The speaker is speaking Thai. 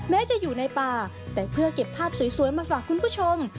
จะอยู่ในป่าแต่เพื่อเก็บภาพสวยมาฝากคุณผู้ชม